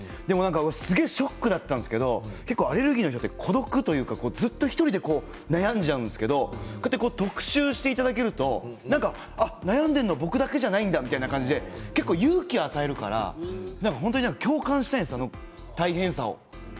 すごいショックだったんですけどアレルギーの人って孤独というかずっと１人で悩んじゃうんですけど特集していただけると悩んでるの僕だけじゃないんだという感じで勇気を与えるから本当に共感したいんですよ大変さを。